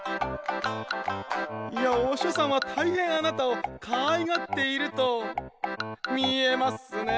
「御師匠さんは大変あなたを可愛がっていると見えますね」